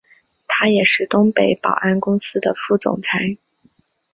他也是东北保安公司的副总裁。